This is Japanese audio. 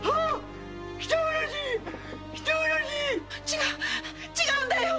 違う違うんだよ！